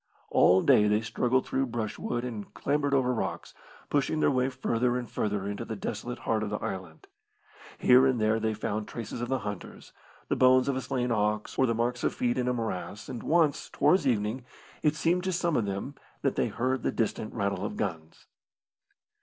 All day they struggled through brushwood and clambered over rocks, pushing their way further and further into the desolate heart of the island. Here and there they found traces of the hunters, the bones of a slain ox, or the marks of feet in a morass, and once, towards evening, it seemed to some of them that they heard the distant rattle of guns.